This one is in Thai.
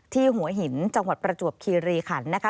หัวหินจังหวัดประจวบคีรีขันนะคะ